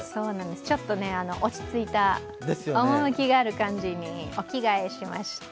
ちょっと落ち着いた趣がある感じにお着替えしました。